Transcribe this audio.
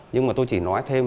nhưng mà tôi chỉ nói thêm